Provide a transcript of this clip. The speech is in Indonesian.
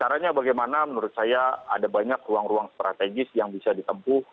caranya bagaimana menurut saya ada banyak ruang ruang strategis yang bisa ditempuh